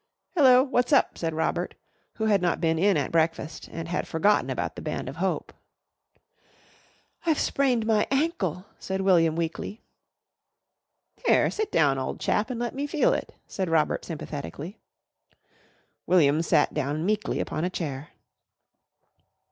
"Hello! What's up?" said Robert, who had not been in at breakfast and had forgotten about the Band of Hope. "I've sprained my ankle," said William weakly. "Here, sit down, old chap, and let me feel it," said Robert sympathetically. William sat down meekly upon a chair.